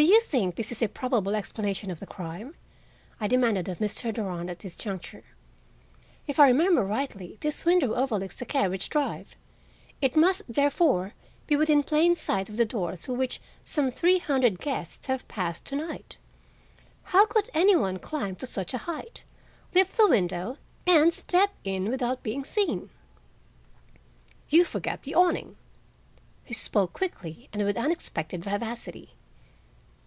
"Do you think this a probable explanation of the crime?" I demanded of Mr. Durand at this juncture. "If I remember rightly this window overlooks the carriage drive; it must, therefore, be within plain sight of the door through which some three hundred guests have passed to night. How could any one climb to such a height, lift the window and step in without being seen?" "You forget the awning." He spoke quickly and with unexpected vivacity.